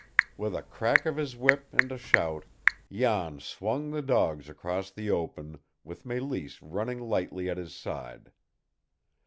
With a crack of his whip and a shout, Jan swung the dogs across the open, with Mélisse running lightly at his side.